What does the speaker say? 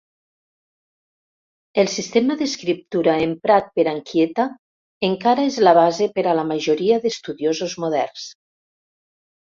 El sistema d'escriptura emprat per Anchieta encara és la base per a la majoria d'estudiosos moderns.